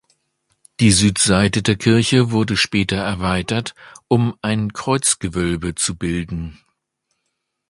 Die Südseite der Kirche wurde später erweitert, um ein Kreuzgewölbe zu bilden.